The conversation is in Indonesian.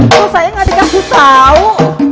kok saya gak dikasih tau